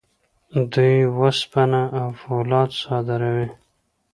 دوی وسپنه او فولاد صادروي.